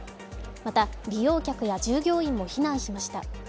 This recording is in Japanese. また利用客や従業員も避難しました。